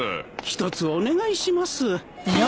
ひとつお願いします。